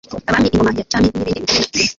abami, ingoma ya cyami n'ibindi bijyanye na yo